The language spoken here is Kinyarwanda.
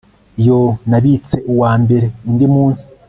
yoo, nabitse uwambere undi munsi